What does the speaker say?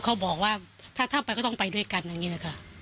เขาบอกว่าถ้าไปก็ต้องไปด้วยกันอย่างนี้แหละค่ะ